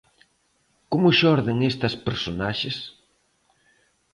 Como xorden estas personaxes?